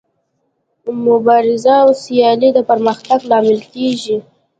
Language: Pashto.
مبارزه او سیالي د پرمختګ لامل کیږي.